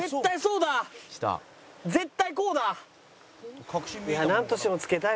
絶対こうだ！